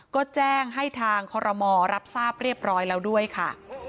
ก็แจ้งให้ทางคอรมอลรับทราบเรียบร้อยแล้วด้วยค่ะ